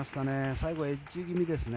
最後、エッジ気味ですね。